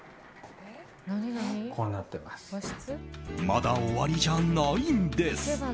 まだ終わりじゃないんです。